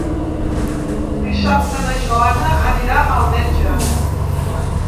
Dissabte na Joana anirà al metge.